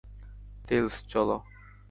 Tales, চলো।